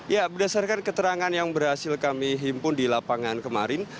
ya berdasarkan keterangan yang berhasil kami himpun di lapangan kemarin